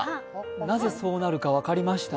なぜそうなるかが分かりました。